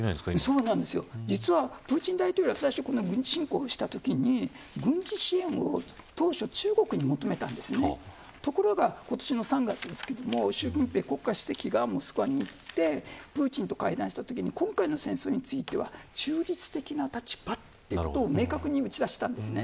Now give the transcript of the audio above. プーチン大統領は軍事侵攻をしたときに当初、軍事支援を中国に求めましたが今年の３月に習近平国家主席がモスクワに行ってプーチンと会談したときに今回の戦争については中立的な立場ということを明確に打ち出したんです。